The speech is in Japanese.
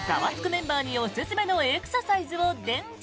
メンバーにおすすめのエクササイズを伝授。